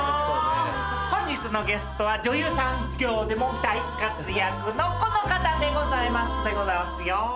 本日のゲストは女優さん業でも大活躍のこの方でございますでございますよ。